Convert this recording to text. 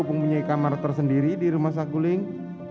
punya kamar tersendiri di rumah sakuling